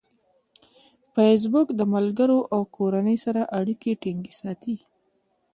فېسبوک د ملګرو او کورنۍ سره اړیکې ټینګې ساتي.